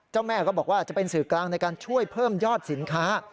แม่ก็บอกว่าจะเป็นสื่อกลางในการช่วยเพิ่มยอดสินค้า